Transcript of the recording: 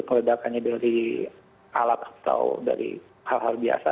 meledakannya dari alat atau dari hal hal biasa